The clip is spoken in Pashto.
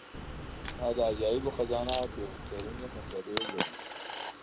دا د عجایبو خزانه بهترینې منظرې لري.